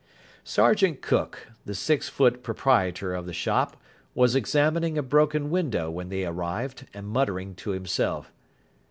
Sergeant Cook, the six foot proprietor of the shop, was examining a broken window when they arrived, and muttering to himself.